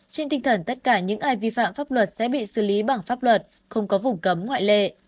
trên tinh thần tất cả những ai vi phạm pháp luật sẽ bị xử lý bằng pháp luật không có vùng cấm ngoại lệ